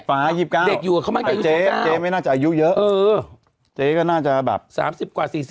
ฝา๒๙แต่เจ๊ไม่น่าจะอายุเยอะเจ๊ก็น่าจะแบบ๓๐กว่า๔๐